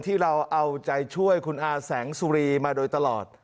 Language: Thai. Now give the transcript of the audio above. ที่เราเอาใจช่วยคุณอาแสงสุรีมาโดยตลอด